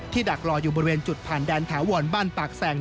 ดักรออยู่บริเวณจุดผ่านแดนถาวรบ้านปากแสง